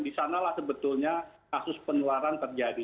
di sanalah sebetulnya kasus penularan terjadi